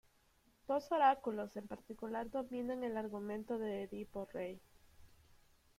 Dos oráculos en particular dominan el argumento de "Edipo rey".